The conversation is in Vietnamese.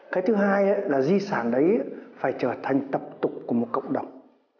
cái thứ hai là di sản đấy phải trở thành tập tục của một cộng đồng